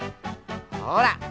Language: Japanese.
ほら！